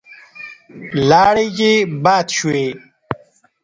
لاړې يې باد شوې.